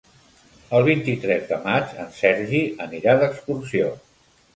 El vint-i-tres de maig en Sergi anirà d'excursió.